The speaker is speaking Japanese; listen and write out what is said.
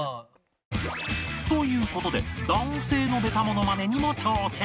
という事で男性のベタものまねにも挑戦